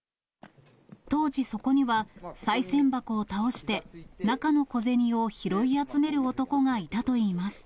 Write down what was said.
当時、そこにはさい銭箱を倒して、中の小銭を拾い集める男がいたといいます。